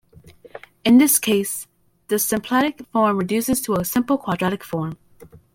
In this case the symplectic form reduces to a simple quadratic form.